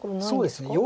そうですね。